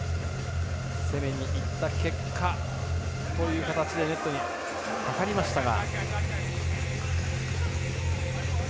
攻めにいった結果という形でネットにかかりましたが。